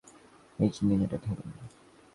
এইযে, নিন, এটা ধরুন।